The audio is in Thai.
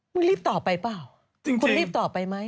ใช่เปล่าคุณรีบต่อไปมั้ย